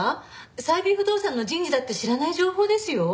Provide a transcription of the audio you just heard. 最美不動産の人事だって知らない情報ですよ？